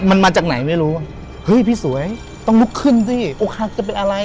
มันมาจากไหนไม่รู้เฮ้ยพี่สวยต้องลุกขึ้นสิโอกาสจะเป็นอะไร